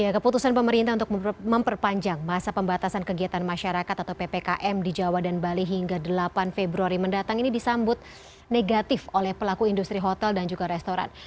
keputusan pemerintah untuk memperpanjang masa pembatasan kegiatan masyarakat atau ppkm di jawa dan bali hingga delapan februari mendatang ini disambut negatif oleh pelaku industri hotel dan juga restoran